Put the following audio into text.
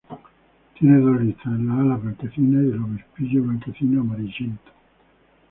Tiene dos listas en las alas blanquecinas y el obispillo blanquecino amarillento.